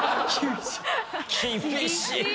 厳しい。